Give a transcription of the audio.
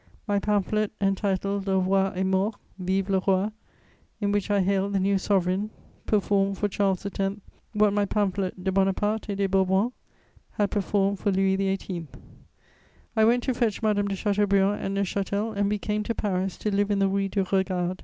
My pamphlet, entitled Le Roi est mort: vive le roi! in which I hailed the new Sovereign, performed for Charles X. what my pamphlet De Bonaparte et des Bourbons had performed for Louis XVIII. I went to fetch Madame de Chateaubriand at Neuchâtel, and we came to Paris to live in the Rue du Regard.